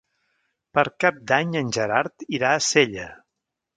Per Cap d'Any en Gerard irà a Sella.